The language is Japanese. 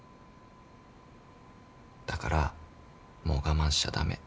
だからもう我慢しちゃ駄目。